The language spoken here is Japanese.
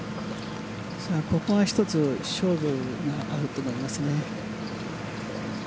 ここが一つ勝負になると思いますね。